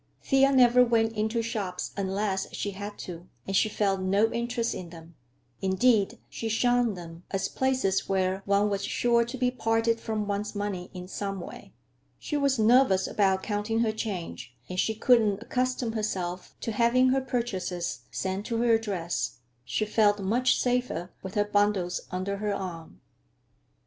Thea never went into shops unless she had to, and she felt no interest in them. Indeed, she shunned them, as places where one was sure to be parted from one's money in some way. She was nervous about counting her change, and she could not accustom herself to having her purchases sent to her address. She felt much safer with her bundles under her arm.